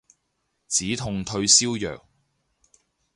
止痛退燒藥